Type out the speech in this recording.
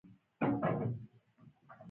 د بلخ پوهنتون په مزار کې دی